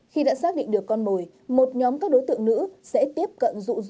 khi đã xác định được con mồi một nhóm các đối tượng nữ sẽ tiếp cận dụ dụ